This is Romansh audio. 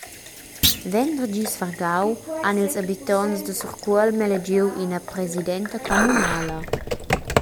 Vendergis vargau han ils habitonts da Surcuolm elegiu ina presidenta communala.